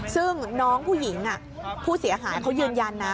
ซึ่งน้องผู้หญิงผู้เสียหายเขายืนยันนะ